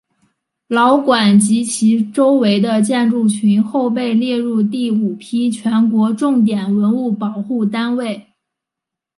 老馆及其周围的建筑群后被列入第五批全国重点文物保护单位。